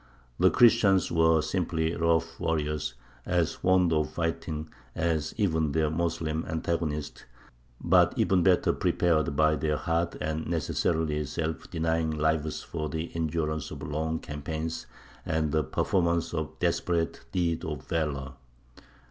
The Christians were simply rough warriors, as fond of fighting as even their Moslem antagonists, but even better prepared by their hard and necessarily self denying lives for the endurance of long campaigns and the performance of desperate deeds of valour.